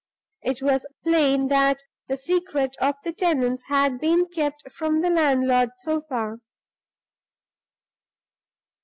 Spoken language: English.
It was plain that the secret of the tenants had been kept from the landlord so far.